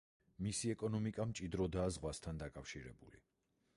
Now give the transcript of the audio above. მისი ეკონომიკა მჭიდროდაა ზღვასთან დაკავშირებული.